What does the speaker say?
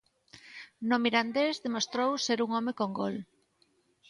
No Mirandés demostrou ser un home con gol.